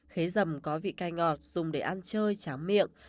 khế dầm có vị cay ngọt dùng để ăn chơi chám miệng